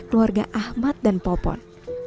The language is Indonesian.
keluarga ahmad dan popon